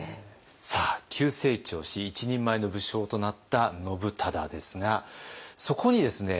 さあ急成長し一人前の武将となった信忠ですがそこにですね